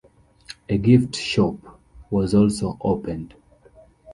A gift shop was also opened.